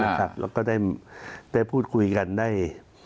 แล้วก็ได้พูดคุยกันได้